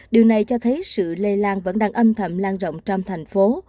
điều này cho thấy sự lây lan vẫn đang âm thầm lan rộng trong thành phố